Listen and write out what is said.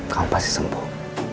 kamu pasti sembuh